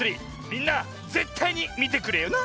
みんなぜったいにみてくれよな！